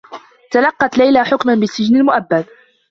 تلقّت ليلى حكما بالسّجن المؤبّد.